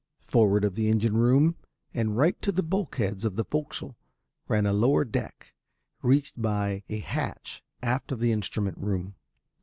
Forward of the engine room and right to the bulkheads of the fo'c'sle ran a lower deck reached by a hatch aft of the instrument room.